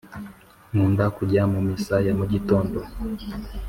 Nkunda kujya mu misaya mugitond